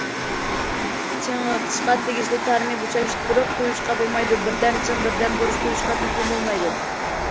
چىڭىتىشقا تېگىشلىك تارىنى بوشاشتۇرۇپ قويۇشقا بولمايدۇ، بىردەم چىڭ، بىردەم بوش قويۇشقا تېخىمۇ بولمايدۇ.